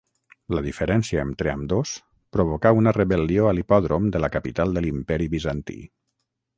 La diferència entre ambdós provocà una rebel·lió a l'hipòdrom de la capital de l'Imperi bizantí.